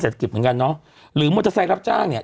เก็บเหมือนกันเนอะหรือมอเตอร์ไซค์รับจ้างเนี่ย